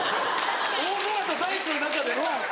『大空と大地の中で』。